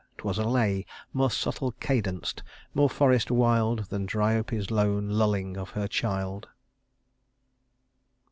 'Twas a lay More subtle cadenced, more forest wild Than Dryope's lone lulling of her child."